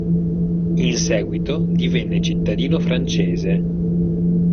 In seguito divenne cittadino francese.